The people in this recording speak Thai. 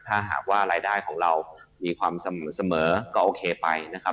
ถ้าหากว่ารายได้ของเรามีความเสมอก็โอเคไปนะครับ